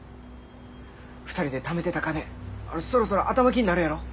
２人でためてた金そろそろ頭金になるやろ？